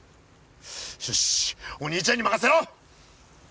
よしお兄ちゃんに任せろ！